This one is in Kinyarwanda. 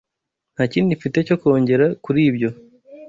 Nta kindi mfite cyo kongera kuri ibyo.